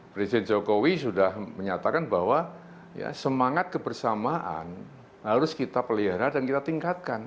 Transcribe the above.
presiden jokowi sudah menyatakan bahwa semangat kebersamaan harus kita pelihara dan kita tingkatkan